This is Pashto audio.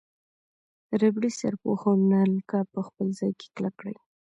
ربړي سرپوښ او نلکه په خپل ځای کې کلک کړئ.